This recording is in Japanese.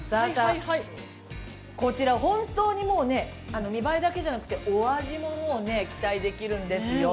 ◆こちら本当にもうね、見ばえだけじゃなくて、お味も期待できるんですよ。